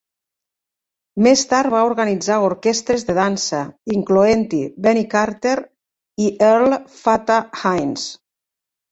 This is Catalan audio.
Més tard va organitzar orquestres de dansa, incloent-hi Benny Carter i Earl "Fatha" Hines.